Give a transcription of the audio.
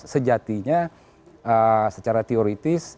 sejatinya secara teoritis